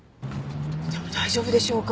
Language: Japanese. でも大丈夫でしょうか？